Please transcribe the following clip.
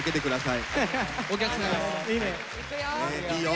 いいよ！